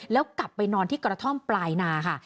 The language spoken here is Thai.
แล้วกลับไปนอนที่กระท่อมปลายนาค่ะ